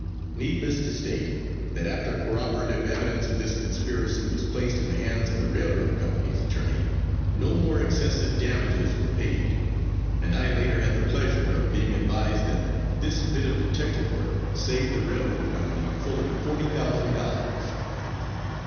Needless to state, that after corroborative evidence of this conspiracy was placed in the hands of the railroad company's attorney, no more excessive damages were paid, and I later had the pleasure of being advised that this bit of detective work saved the railroad company fully forty thousand dollars.